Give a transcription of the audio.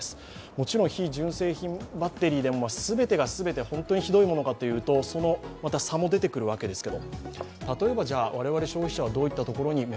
もちろん非純正品バッテリーでも全てが全て、本当にひどいものかというと、その差も出てくるわけですが。